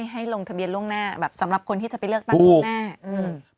ให้ลงทะเบียนล่วงหน้าแบบสำหรับคนที่จะไปเลือกตั้งล่วงหน้าอืม